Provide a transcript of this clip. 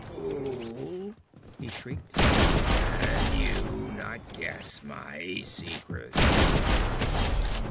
"Fool," he shrieked, "can you not guess my secret?